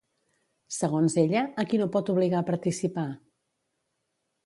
Segons ella, a qui no pot obligar a participar?